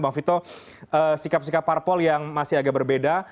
bang vito sikap sikap parpol yang masih agak berbeda